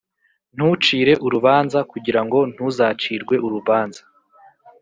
ntucire urubanza kugira ngo ntuzacirwe urubanza